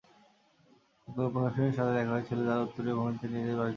একদল ঔপনিবেশিকের সাথে দেখা হয়েছিল যারা উত্তরীয় ভূমিতে নিজেদের বাড়ি তৈরি করছে।